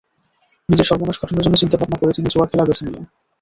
নিজের সর্বনাশ ঘটানোর জন্য চিন্তাভাবনা করে তিনি জুয়া খেলা বেছে নিলেন।